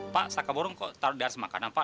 pak sakar borong kok taruh di dasar makanan pak